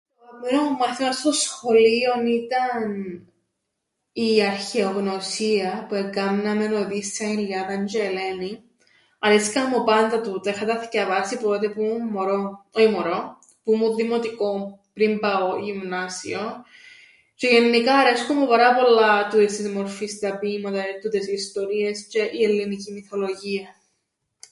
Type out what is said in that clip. Το αγαπημένον μου μάθημαν στο σχολείον ήταν η Αρχαιογνωσία, που εκάμναμεν Οδύσσειαν, Ιλιάδαν τζ̆αι Ελένην. Αρέσκαν μου πάντα τούτα, είχα τα θκιαβάσει που τότε που 'μουν μωρόν, όι μωρόν, που 'μουν δημοτικόν, πριν πάω γυμνάσιον, τζ̆αι γεννικά αρέσκουν μου πάρα πολλά τούτης της μορφής τα ποιήματα, τούτες οι ιστορίες τζ̆αι η ελληνική μυθολογία.